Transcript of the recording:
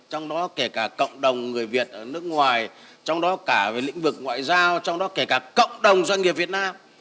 trong đó kể cả cộng đồng người việt ở nước ngoài trong đó cả về lĩnh vực ngoại giao trong đó kể cả cộng đồng doanh nghiệp việt nam